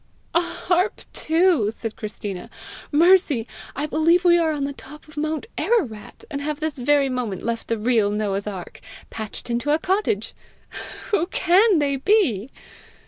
"A harp, too!" said Christina. "Mercy, I believe we are on the top of mount Ararat, and have this very moment left the real Noah's ark, patched into a cottage! Who CAN they be?"